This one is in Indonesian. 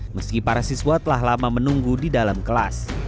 meski para siswa telah lama menunggu di dalam kelas